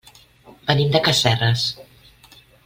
Venim de Casserres.